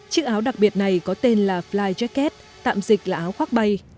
chiếc áo đặc biệt này có tên là flyjacket tạm dịch là áo khoác bay